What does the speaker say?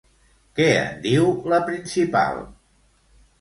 Què en diu la principal?